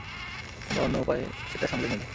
আমরা অন্য উপায়ে এটা সামলে নেবো।